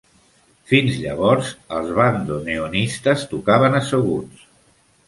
Fins llavors, els bandoneonistes tocaven asseguts.